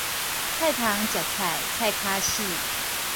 菜蟲食菜菜跤死